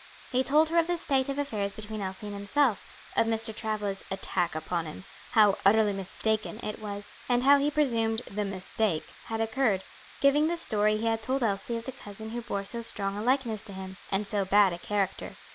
He told her of the state of affairs between Elsie and himself, of Mr. Travilla's "attack upon him;" how "utterly mistaken" it was, and how he presumed "the mistake" had occurred; giving the story he had told Elsie of the cousin who bore so strong a likeness to him, and so bad a character.